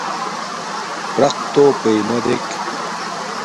پرَق تݸ پئنݳ دݵک.